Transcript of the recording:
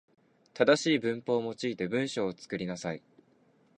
正しい文法を用いて文章を作りなさい。